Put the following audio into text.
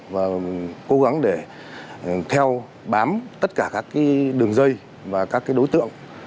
và cố gắng để theo bám tất cả các đường dây và các đối tượng